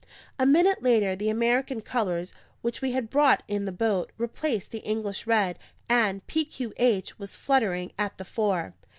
A minute later, the American colours, which we had brought in the boat, replaced the English red, and PQH was fluttering at the fore.